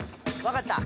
分かった。